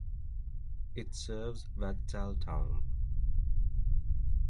It serves Vadtal town.